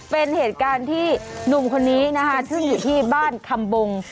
เป็นเหตุการณ์ที่หนุ่มคนนี้นะคะซึ่งอยู่ที่บ้านคำบง